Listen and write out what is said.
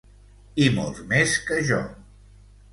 I molts més que jo!